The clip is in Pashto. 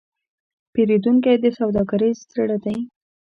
پیرودونکی د سوداګرۍ زړه دی.